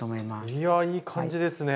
いやいい感じですね！